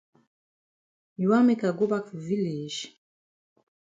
You wan make I go bak for village?